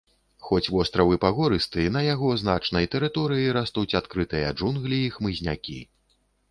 Хоць востраў і пагорысты, на яго значнай тэрыторыі растуць адкрытыя джунглі і хмызнякі.